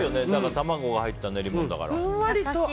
卵が入った練り物だから。